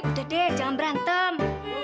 udah deh jangan berantem